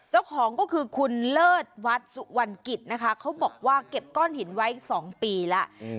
เจ้าของก็คือคุณเลิศวัดสุวรรณกิจนะคะเขาบอกว่าเก็บก้อนหินไว้๒ปีแล้ว